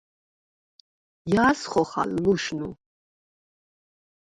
ჲა̈ს ხოხალ ლუშნუ?